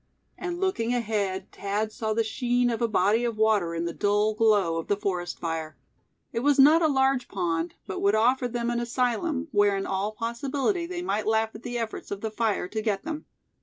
And looking ahead Thad saw the sheen of a body of water in the dull glow of the forest fire. It was not a large pond, but would offer them an asylum, where in all possibility they might laugh at the efforts of the fire to get them.